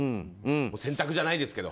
洗濯じゃないですけど。